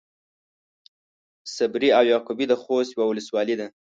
صبري او يعقوبي د خوست يوۀ ولسوالي ده.